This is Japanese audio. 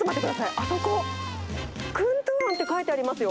あそこ、クントゥアンって書いてありますよ。